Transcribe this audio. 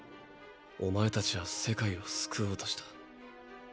お前たちは世界を救おうとした。